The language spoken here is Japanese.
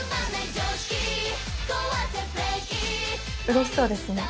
うれしそうですね。